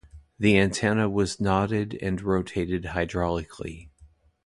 The antenna was nodded and rotated hydraulically.